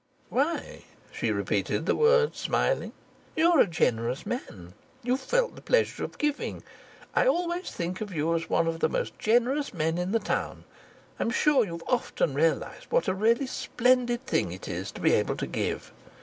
"Why?" she repeated the word, smiling. "You're a generous man; you've felt the pleasure of giving. I always think of you as one of the most generous men in the town. I'm sure you've often realized what a really splendid thing it is to be able to give.